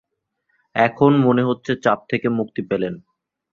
এখন মনে হচ্ছে চাপ থেকে মুক্তি পেলেন।